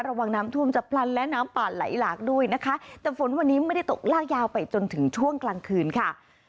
ระวังน้ำท่วมจะพลันและน้ำป่าไหลหลากด้วยนะคะแต่ฝนวันนี้ไม่ได้ตกลากยาวไปจนถึงช่วงกลางคืนค่ะ